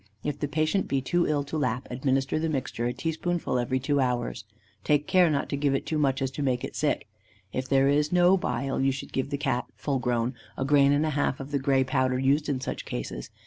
If the patient be too ill to lap, administer the mixture a teaspoonful every two hours. Take care not to give it too much so as to make it sick. If there is no bile, you should give the Cat (full grown) a grain and a half of the grey powder used in such cases.